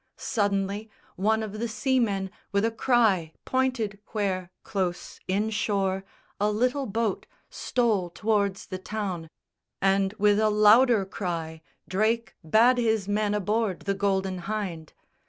Suddenly one of the seamen with a cry Pointed where, close inshore, a little boat Stole towards the town; and, with a louder cry, Drake bade his men aboard the Golden Hynde.